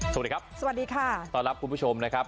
สวัสดีครับสวัสดีค่ะต้อนรับคุณผู้ชมนะครับ